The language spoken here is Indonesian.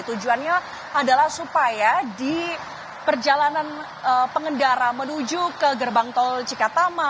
tujuannya adalah supaya di perjalanan pengendara menuju ke gerbang tol cikatama